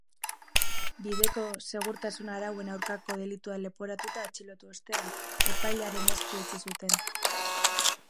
Bideko segurtasun-arauen aurkako delitua leporatuta atxilotu ostean, epailearen esku utzi zuten.